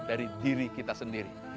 menyalahkan diri kita sendiri